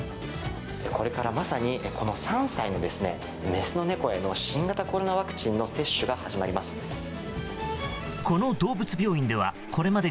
これからまさに３歳のメスの猫への新型コロナワクチンの接種が始まります。